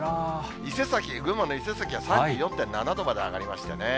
伊勢崎、群馬の伊勢崎は３４．７度まで上がりましたね。